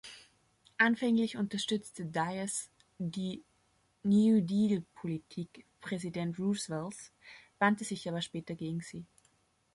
Anfänglich unterstützte Dies die New-Deal-Politik Präsident Roosevelts, wandte sich aber später gegen sie.